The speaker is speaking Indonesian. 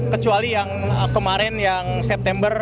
kecuali yang kemarin yang september